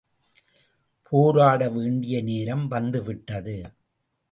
போராட வேண்டிய நேரம் வந்துவிட்டது.